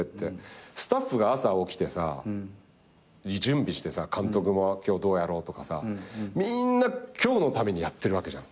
スタッフが朝起きてさ準備してさ監督も「今日どうやろう」とかさみんな今日のためにやってるわけじゃん。